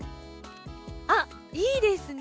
あっいいですね。